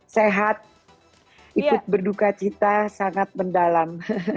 sehat ikut berduka cita sangat mendalam